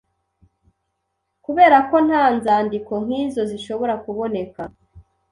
Kuberako nta nzandiko nkizo zishobora kuboneka